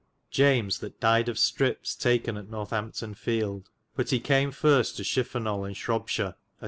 James that dyed of strips taken at Northampton feelde; but he cam first to Shififenol ^ in Shrobbshire a 2.